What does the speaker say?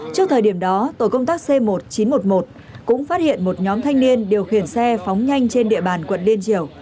trước thời điểm đó tổ công tác c một nghìn chín trăm một mươi một cũng phát hiện một nhóm thanh niên điều khiển xe phóng nhanh trên địa bàn quận liên triều